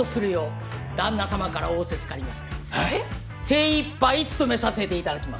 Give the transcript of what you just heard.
精いっぱい務めさせていただきます。